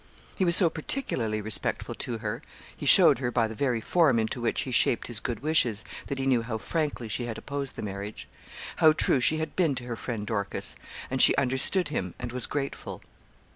He was so particularly respectful to her he showed her by the very form into which he shaped his good wishes that he knew how frankly she had opposed the marriage how true she had been to her friend Dorcas and she understood him and was grateful.